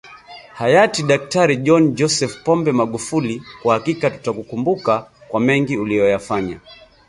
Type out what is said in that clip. Hayati DkJohn Joseph Pombe Magufuli kwa hakika tutakukumbuka kwa mengi uliyoyafanya